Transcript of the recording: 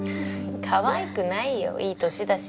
かわいくないよいい年だし。